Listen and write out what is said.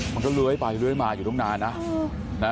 มันก็เล้ยไปเล้ยมาอยู่ตรงนั้นนะ